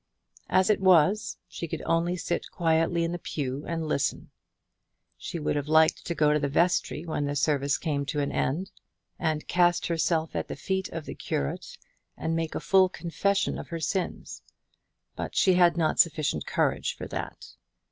As it was, she could only sit quietly in the pew and listen. She would have liked to go to the vestry when the service came to an end, and cast herself at the feet of the curate, and make a full confession of her sins; but she had not sufficient courage for that.